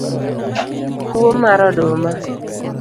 Kuo mar oduma